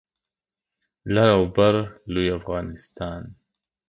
لر او بر لوی افغانستان